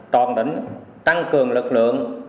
còn để tăng cường lực lượng